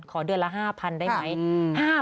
ขอเดือนละ๕๐๐๐ได้ไหม